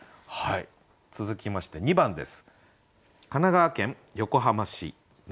続きまして２番です。